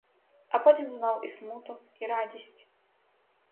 А потім знов і смуток, і радість.